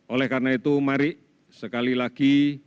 oleh karena itu mari sekali lagi